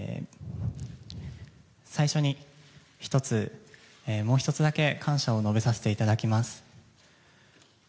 最初に、もう１つだけ感謝を述べさせていただきます。